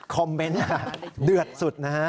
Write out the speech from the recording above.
คอมเมนต์เดือดสุดนะฮะ